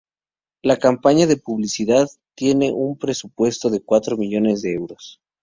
La campaña de publicidad tiene un presupuesto de cuatro millones de euros.